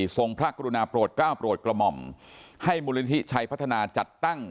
ทรงพระกรุณาโปรดก้าวโปรดกระหม่อมให้มูลนิธิชัยพัฒนาจัดตั้ง